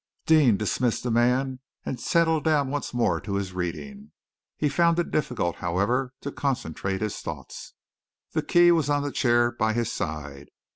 Deane dismissed the man and settled down once more to his reading. He found it difficult, however, to concentrate his thoughts. The key was on the chair by his side.